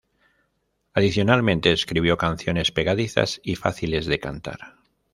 Adicionalmente, escribió canciones pegadizas y fáciles de cantar.